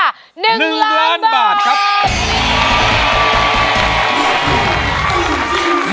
หนึ่งล้านบาทครับ